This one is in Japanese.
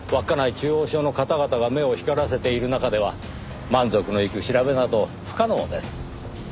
中央署の方々が目を光らせている中では満足のいく調べなど不可能です。